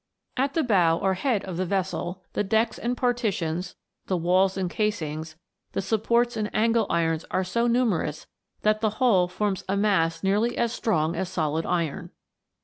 At the bow, or head of the vessel, the decks and partitions, the walls and casings, the supports and ansle irons are so numerous that the whole forms a O mass nearly as strong as solid iron.